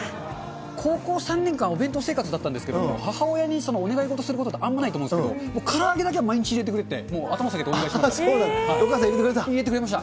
高校３年間、お弁当生活だったんですけれども、母親にお願いすることってあんまないと思うんですけど、から揚げだけは毎日入れてくれって、もう頭下げてお願いしてました。